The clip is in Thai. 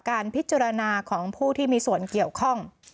การพิจารณาของผู้ที่มีส่วนเกี่ยวข้อง